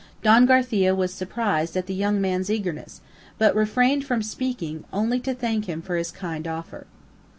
Don Garcia was surprised at the young man's eagerness, but refrained from speaking, only to thank him for his kind offer.